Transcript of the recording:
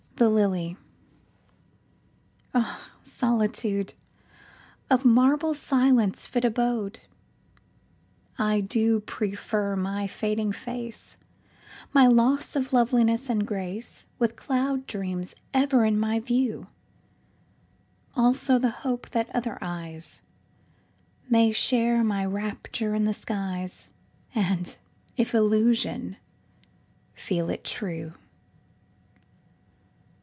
THE LILYAh, Solitude, Of marble Silence fit abode!I do prefer my fading face, My loss of loveliness and grace, With cloud dreams ever in my view; Also the hope that other eyesMay share my rapture in the skies, And, if illusion, feel it true.